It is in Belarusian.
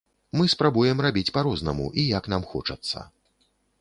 Мы спрабуем рабіць па-рознаму і як нам хочацца.